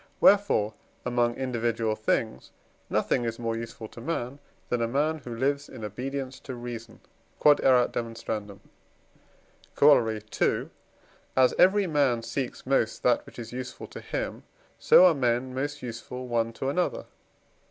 wherefore among individual things nothing is more useful to man, than a man who lives in obedience to reason. Q.E.D. Corollary II. As every man seeks most that which is useful to him, so are men most useful one to another.